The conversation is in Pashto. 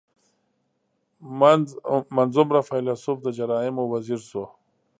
• منځ عمره فېلېسوف د جرایمو وزیر شو.